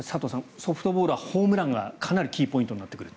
ソフトボールはホームランがかなりキーポイントになってくると。